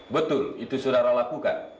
betul itu saudara lakukan